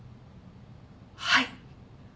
はい。